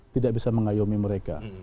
tidak bisa mengayomi mereka